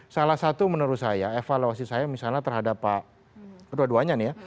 salah satu menurut saya evaluasi saya misalnya terhadap pak kedua duanya nih ya